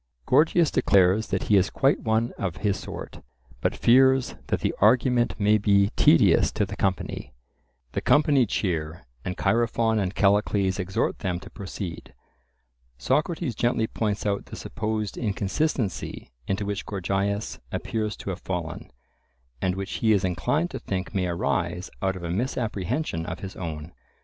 Gorgias declares that he is quite one of his sort, but fears that the argument may be tedious to the company. The company cheer, and Chaerephon and Callicles exhort them to proceed. Socrates gently points out the supposed inconsistency into which Gorgias appears to have fallen, and which he is inclined to think may arise out of a misapprehension of his own.